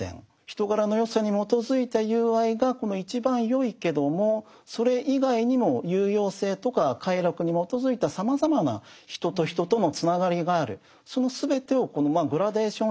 人柄の善さに基づいた友愛が一番よいけどもそれ以外にも有用性とか快楽に基づいたさまざまな人と人とのつながりがある。